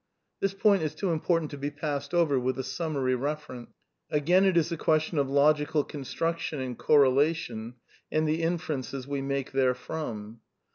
This point is too important to be passed over with a summary reference. Again it is a question of logical construction and correla tion, and the inferences we make therefrom.